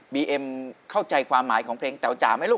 เอ็มเข้าใจความหมายของเพลงแต๋วจ๋าไหมลูก